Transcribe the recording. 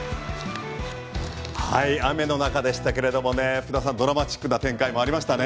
雨の中でしたけれどもね福田さんドラマチックな展開もありましたね。